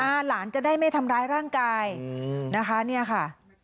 หลานจะได้ไม่ทำร้ายร่างกายอืมนะคะเนี่ยค่ะ